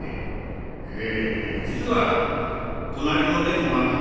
『え実は隣の猫が』。